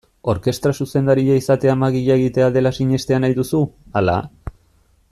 Orkestra zuzendaria izatea magia egitea dela sinestea nahi duzu, ala?